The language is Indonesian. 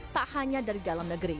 tak hanya dari dalam negeri